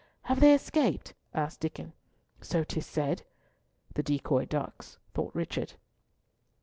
"Have they escaped?" asked Diccon. "So 'tis said." "The decoy ducks," thought Richard.